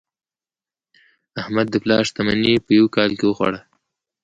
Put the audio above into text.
احمد د پلار شتمني په یوه کال کې وخوړه.